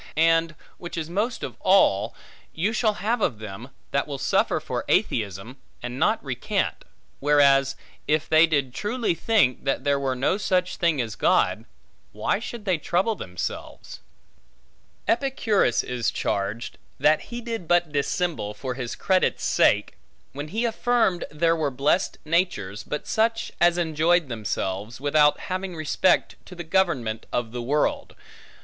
And, which is most of all, you shall have of them, that will suffer for atheism, and not recant; whereas if they did truly think, that there were no such thing as God, why should they trouble themselves? Epicurus is charged, that he did but dissemble for his credit's sake, when he affirmed there were blessed natures, but such as enjoyed themselves, without having respect to the government of the world.